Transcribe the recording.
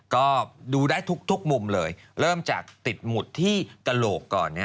ก็ดูได้ทุกมุมเลยเริ่มจากติดหมุดที่กระโหลกก่อน